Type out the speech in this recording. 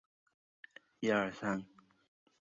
她要是死了，我要所有人陪葬！